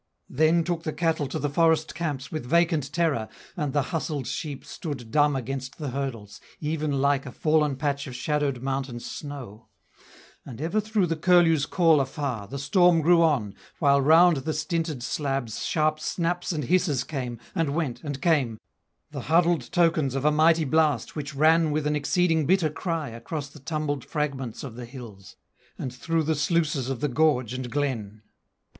Then took the cattle to the forest camps With vacant terror, and the hustled sheep Stood dumb against the hurdles, even like A fallen patch of shadowed mountain snow; And ever through the curlew's call afar, The storm grew on, while round the stinted slabs Sharp snaps and hisses came, and went, and came, The huddled tokens of a mighty blast Which ran with an exceeding bitter cry Across the tumbled fragments of the hills, And through the sluices of the gorge and glen.